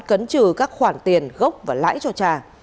cấn trừ các khoản tiền gốc và lãi cho trà